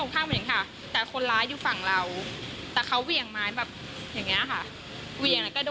ใครอยู่ก่อนก็คือตีหมดไม่รู้จักไม่เห็นไม่เคยเห็นน่ะแน่นอนครับ